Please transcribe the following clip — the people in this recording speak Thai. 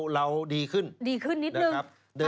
เราดีขึ้นไม่ปลูกคือนิดหนึ่ง